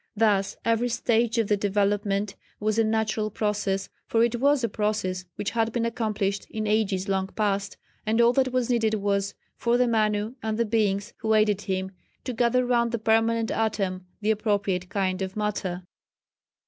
Thus, every stage of the development was a natural process, for it was a process which had been accomplished in ages long past, and all that was needed was for the Manu and the Beings who aided him, to gather round the permanent atom the appropriate kind of matter.